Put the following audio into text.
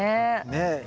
ねえ。